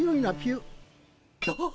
あっ。